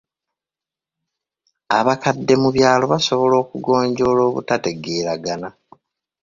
Abakadde mu byalo basobola okugonjoola obutategeeragana.